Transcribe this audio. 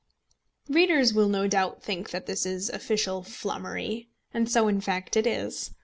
Readers will no doubt think that this is official flummery; and so in fact it is.